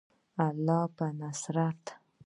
د الله په نصرت.